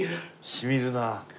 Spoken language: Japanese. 染みるな。